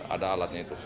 ada alatnya itu